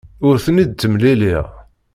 Ur ten-id-ttemliliɣ.